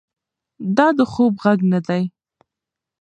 دا د خوب غږ نه دی.